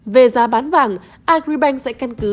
về giá bán vàng agribank sẽ căn cứ